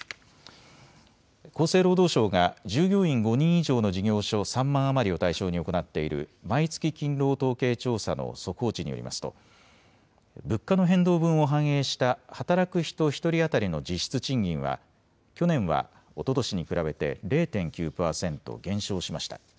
厚生労働省が従業員５人以上の事業所３万余りを対象に行っている毎月勤労統計調査の速報値によりますと物価の変動分を反映した働く人１人当たりの実質賃金は去年はおととしに比べて０．９％減少しました。